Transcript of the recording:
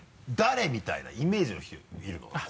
「誰」みたいなイメージの人いるの？